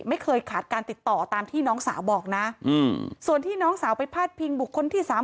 ไม่เคยขาดการติดต่อตามที่น้องสาวบอกนะอืมส่วนที่น้องสาวไปพาดพิงบุคคลที่สาม